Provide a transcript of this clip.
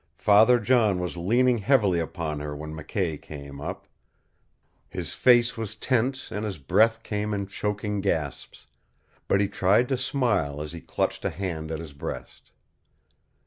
Father John was leaning heavily upon her when McKay came up. His face was tense and his breath came in choking gasps. But he tried to smile as he clutched a hand at his breast.